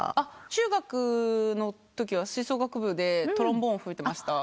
中学のときは吹奏楽部でトロンボーン吹いてました。